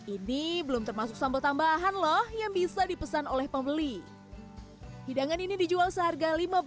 ini belum termasuk sambal tambahan loh yang bisa dipesan oleh pembeli hidangan ini dijual seharga